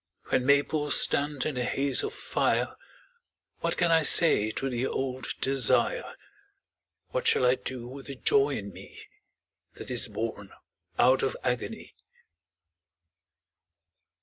When maples stand in a haze of fire What can I say to the old desire, What shall I do with the joy in me That is born out of agony?